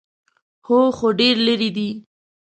_هو، خو ډېر ليرې دی.